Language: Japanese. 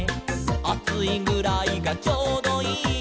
「『あついぐらいがちょうどいい』」